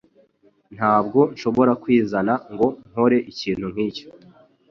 Ntabwo nshobora kwizana ngo nkore ikintu nkicyo.